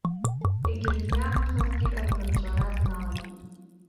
Егьырҭ иаанхазгьы рнырҵәара дналагеит.